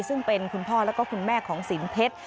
ซึ่งเป็นคุณพ่อและคุณแม่ของศีลเพชร